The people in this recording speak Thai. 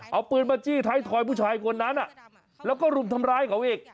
เอาปืนมาจี้ท้ายทอยผู้ชายคนนั้นแล้วก็รุมทำร้ายเขาอีก